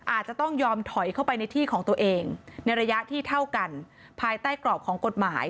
อาจจะต้องยอมถอยเข้าไปในที่ของตัวเองในระยะที่เท่ากันภายใต้กรอบของกฎหมาย